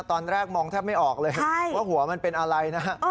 ตอนแรกมองแทบไม่ออกเลยว่าหัวมันเป็นอะไรนะฮะ